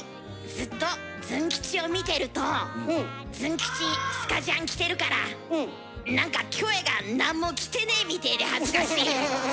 ずっとズン吉を見てるとズン吉スカジャン着てるから何かキョエがなんも着てねえみてえで恥ずかしい。